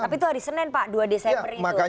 tapi itu hari senin pak dua desember itu